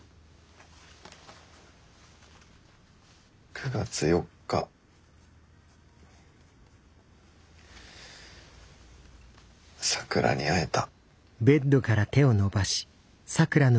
９月４日咲良に会えた。